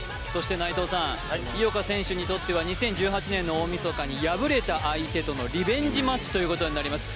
井岡選手にとっては２０１８年の大みそかに敗れた相手とのリベンジマッチということになります。